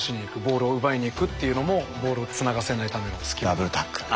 ダブルタックルね。